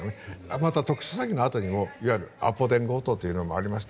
また特殊詐欺のあとにもいわゆるアポ電強盗というのもありました。